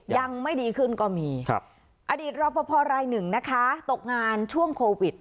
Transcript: ยังไม่ดีขึ้นก็มีอดีตรอปภรายหนึ่งนะคะตกงานช่วงโควิด